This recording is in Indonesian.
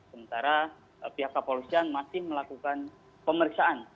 sementara pihak kepolisian masih melakukan pemeriksaan